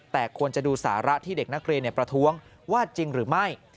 แต่ควรจะดูสาระที่เด็กนักเรียนประท้วงว่าจริงหรือไม่